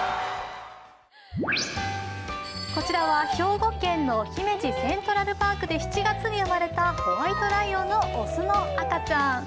こちらは兵庫県の姫路セントラルパークで７月に生まれたホワイトライオンの雄の赤ちゃん。